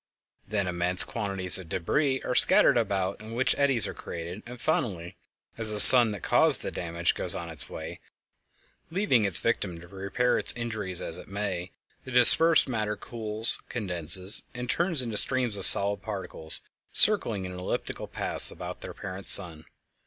Then immense quantities of débris are scattered about in which eddies are created, and finally, as the sun that caused the damage goes on its way, leaving its victim to repair its injuries as it may, the dispersed matter cools, condenses, and turns into streams of solid particles circling in elliptical paths about their parent sun.